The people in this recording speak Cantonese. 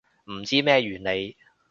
唔知咩原理